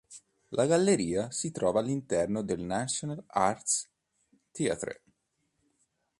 La galleria si trova all'interno del National Arts Theatre.